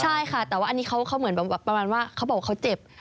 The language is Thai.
ใช่ค่ะแต่ว่าอันนี้เขาเหมือนแบบประมาณว่าเขาบอกว่าเขาเจ็บ